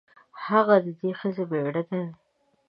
هغه د دې ښځې مېړه دی.